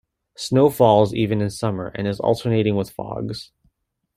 Snow falls even in summer and is alternating with fogs.